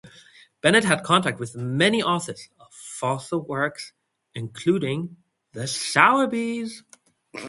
Benett had contact with many authors of fossil works including the Sowerbys.